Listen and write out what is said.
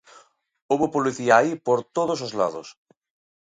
Houbo policía aí por todos os lados.